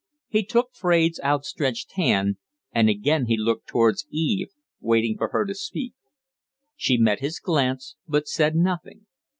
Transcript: He took Fraide's outstretched hand; and again he looked towards Eve, waiting for her to speak. She met his glance, but said nothing.